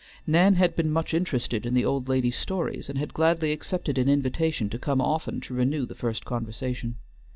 Nan had been much interested in the old lady's stories, and had gladly accepted an invitation to come often to renew the first conversation.